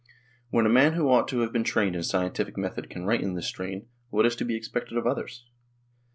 When a man who ought to have been trained in scientific method can write in this strain, what is to be expected of others